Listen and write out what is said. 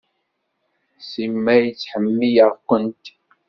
Simmal ttḥemmileɣ-kent.